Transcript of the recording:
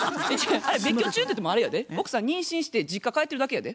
別居中ってゆうてもあれやで奥さん妊娠して実家帰ってるだけやで。